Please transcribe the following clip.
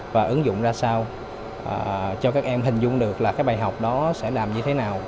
và ứng dụng ra sao cho các em hình dung được bài học đó sẽ làm như thế nào